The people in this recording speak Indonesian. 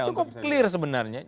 cukup clear sebenarnya